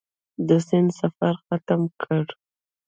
د سیند سفر ختم کړ.